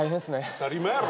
当たり前やろ。